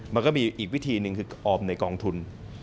มันก็มีอีกวิธีหนึ่งคือออมในกองทุน